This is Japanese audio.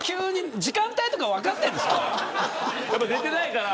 寝てないから。